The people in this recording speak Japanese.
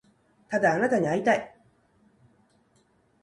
ただあなたに会いたい